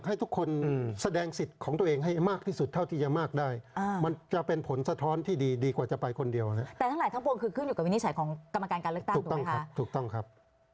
นิสัยของกรรมการการเลือกตั้งถูกไหมคะถูกต้องครับถูกต้องครับ